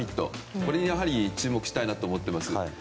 これに注目したいなと思っています。